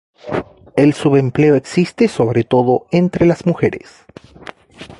El subempleo existe sobre todo entre las mujeres.